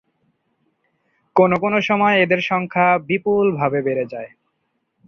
কোনো কোনো সময় এদের সংখ্যা বিপুলভাবে বেড়ে যায়।